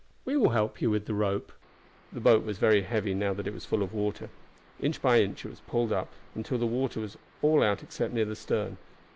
We will help you with the rope." The boat was very heavy, now that it was full of water. Inch by inch it was pulled up, until the water was all out except near the stern.